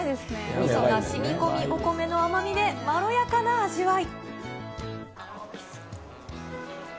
みそがしみこみ、お米の甘みでまろやかな味わい。